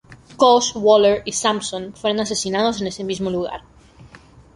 Cauce, Waller y Sampson fueron asesinados en ese mismo lugar.